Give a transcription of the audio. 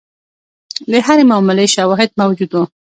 د هرې معاملې شواهد موجود وو.